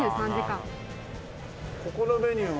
ここのメニューは。